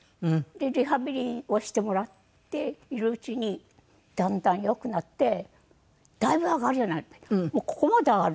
リハビリをしてもらっているうちにだんだんよくなってだいぶ上がるようになってここまで上がる。